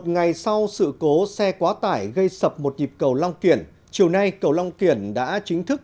một mươi một ngày sau sự cố xe quá tải gây sập một dịp cầu long kiển